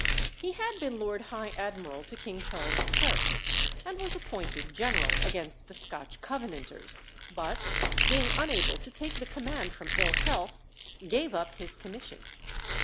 He had been Lord High Admiral to King Charles I., and was appointed general against the Scotch Covenanters, but, being unable to take the command from ill health, gave up his commission.